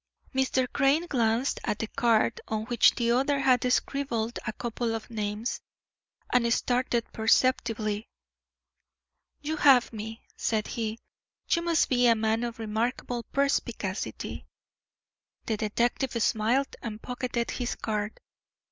Mr. Crane glanced at the card on which the other had scribbled a couple of names, and started perceptibly. "You have me," said he; "you must be a man of remarkable perspicacity." The detective smiled and pocketed his card.